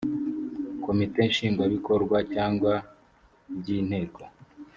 komite nshingwabikorwa cyangwa by inteko